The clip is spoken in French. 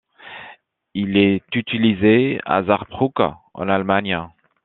Il est utilisé à Sarrebruck en Allemagne.